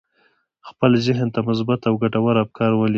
خپل ذهن ته مثبت او ګټور افکار ولېږئ